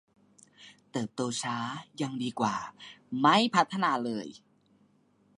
เติบโตช้ายังดีกว่าไม่พัฒนาเลย